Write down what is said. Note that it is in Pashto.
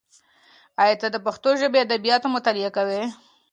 ایا ته د پښتو ژبې ادبیات مطالعه کوې؟